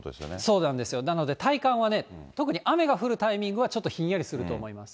そうなんですよ、体感はね、特に雨が降るタイミングはちょっとひんやりすると思います。